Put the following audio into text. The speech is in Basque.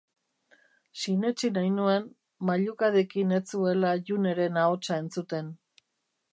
Sinetsi nahi nuen, mailukadekin ez zuela Juneren ahotsa entzuten.